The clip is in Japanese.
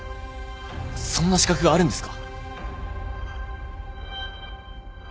そんな資格があるんですか？